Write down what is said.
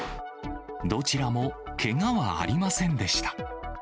どちらもけがはありませんでした。